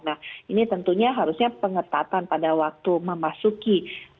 nah ini tentunya harusnya pengetatan pada waktu memasuki